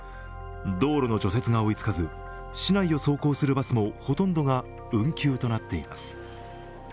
道路の除雪が追いつかず市内を走行するバスもほとんどが運休となっています。